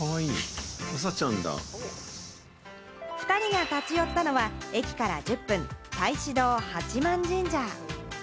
２人が立ち寄ったのは、駅から１０分、太子堂八幡神社。